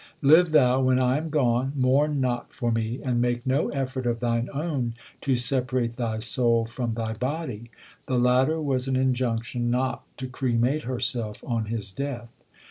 Live thou when I am gone, mourn not for me, and make no effort of LIFE OF GURU ARJAN 91 thine own to separate thy soul from thy body. The latter was an injunction not to cremate herself on his death.